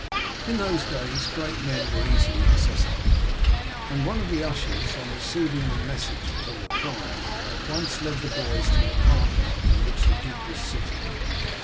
In those days great men were easy accessible, and one of the ushers, on receiving the message from the prior, at once led the boys to an apartment in which the duke was sitting.